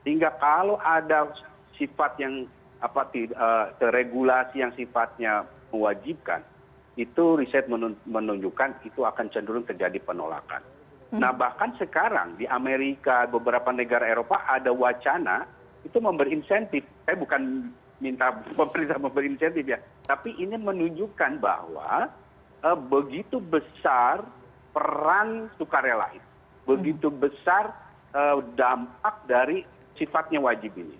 itu memberi insentif tapi ini menunjukkan bahwa begitu besar peran sukarela begitu besar dampak dari sifatnya wajib ini